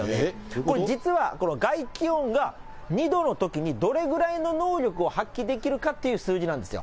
これ実は外気温が２度のときに、どれぐらいの能力を発揮できるかっていう数字なんですよ。